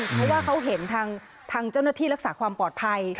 เพราะว่าเขาเห็นทางเจ้าหน้าที่รักษาความปลอดภัย